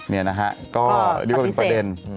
นี่นะฮะนี่ก็เป็นประเด็น